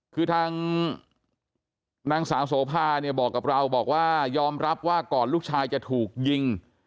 คือทางนางสาวโสภาเนี่ยบอกกับเราบอกว่ายอมรับว่าก่อนลูกชายจะถูกยิง